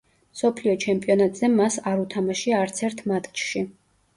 მსოფლიო ჩემპიონატზე მას არ უთამაშია არცერთ მატჩში.